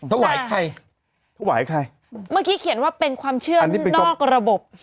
ถวายใครถวายใครเมื่อกี้เขียนว่าเป็นความเชื่อนอกระบบ